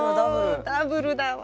もうダブルだわ！